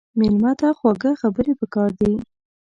مېلمه ته خواږه خبرې پکار دي.